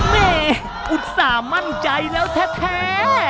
แม่อุตส่าห์มั่นใจแล้วแท้